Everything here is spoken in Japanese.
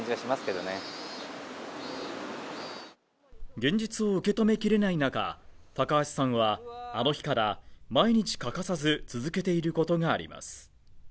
現実を受け止めきれない中高橋さんはあの日から毎日欠かさず続けていることがあります